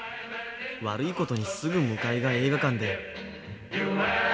悪いことにすぐ向かいが映画館で。